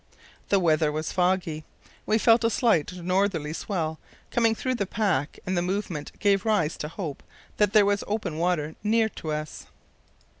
The weather was foggy. We felt a slight northerly swell coming through the pack, and the movement gave rise to hope that there was open water near to us.